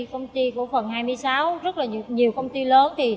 công ty cổ phần hai mươi sáu rất là nhiều công ty lớn